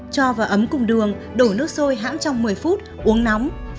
cho vào ấm cùng đường đổ nước sôi hãm trong một mươi phút uống nóng